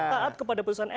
taat kepada keputusan mk